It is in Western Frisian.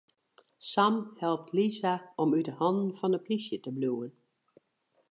Sam helpt Lisa om út 'e hannen fan de polysje te bliuwen.